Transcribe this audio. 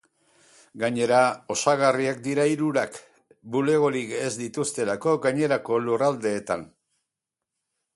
Gainera, osagarriak dira hirurak, bulegorik ez dituztelako gainerako lurraldeetan.